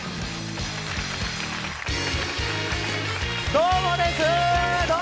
どうもです。